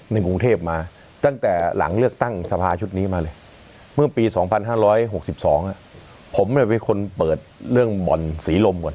ในกรุงเทพมาตั้งแต่หลังเลือกตั้งสภาชุดนี้มาเลยเมื่อปี๒๕๖๒ผมเป็นคนเปิดเรื่องบ่อนศรีลมก่อน